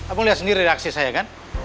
aku lihat sendiri reaksi saya kan